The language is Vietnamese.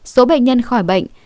số bệnh nhân khỏi bệnh